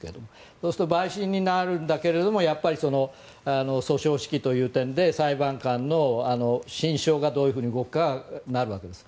そうすると陪審になるんだけれど訴訟指揮という点で裁判官の心証がどういうふうに動くかとなるわけです。